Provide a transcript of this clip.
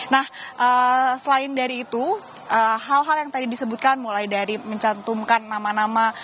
nah selain dari itu hal hal yang tadi disebutkan mulai dari mencantumkan nama nama